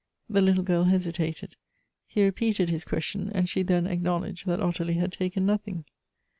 The little girl hesitated. He repeated his question, and she then acknowledged that Ottilie had taken nothing.